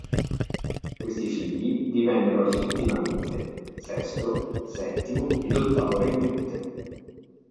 Questi figli divennero rispettivamente sesto, settimo ed ottavo regnante.